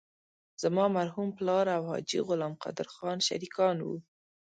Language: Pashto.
زما مرحوم پلار او حاجي غلام قادر خان شریکان وو.